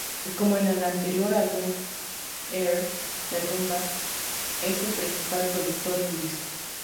Como en el anterior álbum, R de Rumba es el principal productor del disco.